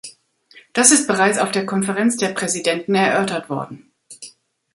Das ist bereits auf der Konferenz der Präsidenten erörtert worden.